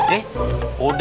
nah ini tuh